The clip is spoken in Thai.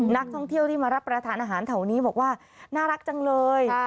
นักท่องเที่ยวที่มารับประทานอาหารแถวนี้บอกว่าน่ารักจังเลย